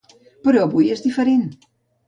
Però avui és diferent.